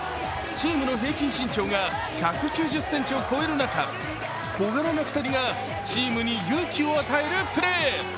チームの平均身長が１９０ｃｍを超える中小柄な２人がチームに勇気を与えるプレー。